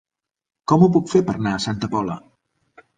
Com ho puc fer per anar a Santa Pola?